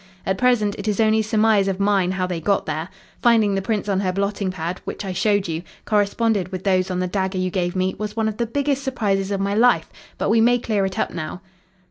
At present it is only surmise of mine how they got there. Finding the prints on her blotting pad, which I showed you, corresponded with those on the dagger you gave me, was one of the biggest surprises of my life. But we may clear it up now."